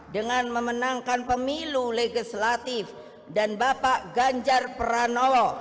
dengan memenangkan pemilu legislatif dan bapak ganjar pranowo